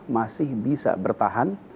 masih bisa bertahan